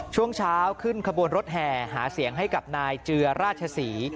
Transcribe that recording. ช่วงเช้าขึ้นขบวนรถแห่หาเสียงให้กับนายเจือราชศรี